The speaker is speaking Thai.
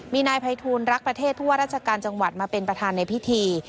มีนายภัยทูลรักประเทศผู้ว่าราชการจังหวัดมาเป็นประธานในพิธี